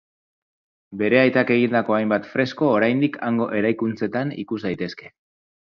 Bere aitak egindako hainbat fresko oraindik hango eraikuntzetan ikus daitezke.